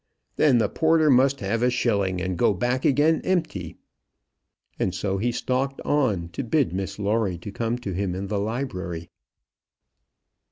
"Then the porter must have a shilling and go back again empty." And so he stalked on, to bid Miss Lawrie come to him in the library.